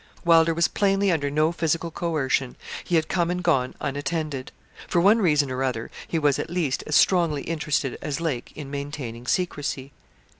Wylder was plainly under no physical coercion. He had come and gone unattended. For one reason or other he was, at least, as strongly interested as Lake in maintaining secrecy.